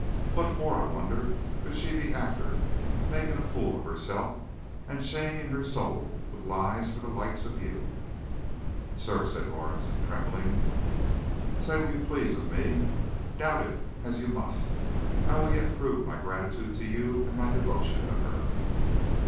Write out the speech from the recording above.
"What for, I wonder, could she be after making a fool of hersilf, and shamin' her swate soul with lies, for the like of you!" "Sir," said Lorison, trembling, "say what you please of me. Doubt it as you must, I will yet prove my gratitude to you, and my devotion to her.